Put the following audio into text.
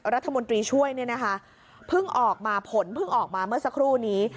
รัฐมนตรีช่วยพึ่งออกมาผลเพิ่งออกมาเมื่อสักครู่นี้